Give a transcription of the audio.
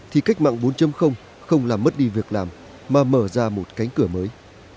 thì cách mạng bốn không làm mất đi việc làm mà mở ra một cánh cửa mới